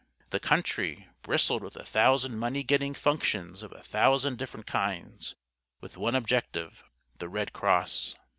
The country bristled with a thousand money getting functions of a thousand different kinds; with one objective the Red Cross.